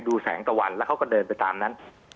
แสงตะวันแล้วเขาก็เดินไปตามนั้น